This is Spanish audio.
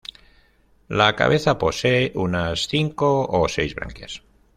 La cabeza posee unas cinco o seis branquias.